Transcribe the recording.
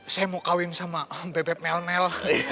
saya mau kawin sama bebek melmel